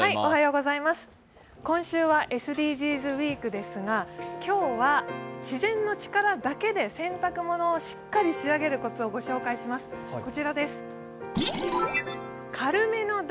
今週はＳＤＧｓウイークですが今日は自然の力だけで洗濯物をしっかり仕上げるコツをご紹介します。